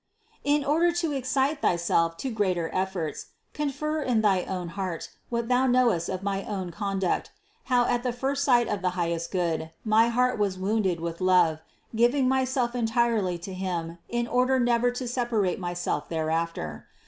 242. In order to excite thyself to greater efforts, con fer in thy heart what thou knowest of my own conduct ; how at the first sight of the highest Good, my heart was wounded with love, giving myself entirely to Him in order never to separate myself thereafter.